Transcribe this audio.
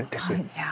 いや。